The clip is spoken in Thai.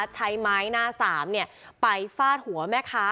ใช้ไม้หน้าสามไปฟาดหัวแม่ค้า